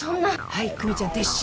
はい久実ちゃん撤収。